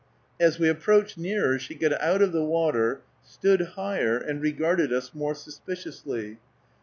As we approached nearer she got out of the water, stood higher, and regarded us more suspiciously.